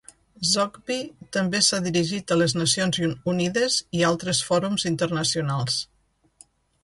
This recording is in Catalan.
Zogby també s'ha dirigit a les Nacions Unides i altres fòrums internacionals.